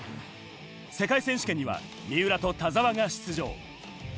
世界選手権には三浦と田澤が出場。